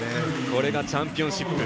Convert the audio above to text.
これがチャンピオンシップ。